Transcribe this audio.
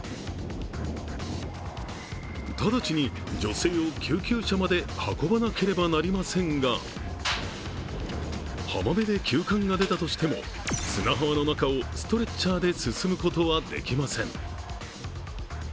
直ちに女性を救急車まで運ばなければなりませんが浜辺で急患が出たとしても砂浜の中をストレッチャーで進むことは出来ません。